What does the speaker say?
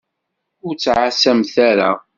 Ur ttɛasamt ara.